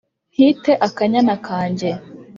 nkite akanyana kanjye